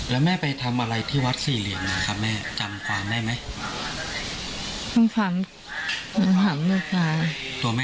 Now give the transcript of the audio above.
แล้วแม่ไปทำอะไรที่วัดสี่เหลี่ยมนะครับแม่จำความได้ไหม